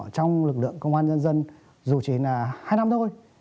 trong lực lượng công an nhân dân dù chỉ là hai năm thôi